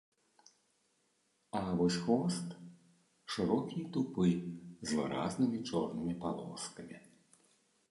А вось хвост шырокі і тупы, з выразнымі чорнымі палоскамі.